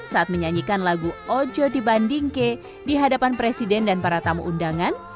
saat menyanyikan lagu ojo di bandingke di hadapan presiden dan para tamu undangan